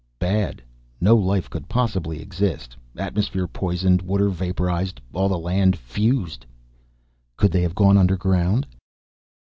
"Bad. No life could possibly exist. Atmosphere poisoned, water vaporized, all the land fused." "Could they have gone underground?"